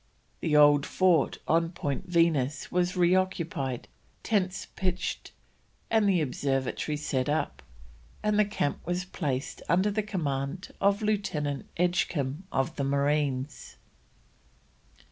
The old fort on Point Venus was reoccupied, tents pitched, and the observatory set up, and the camp was placed under the command of Lieutenant Edgecombe of the Marines.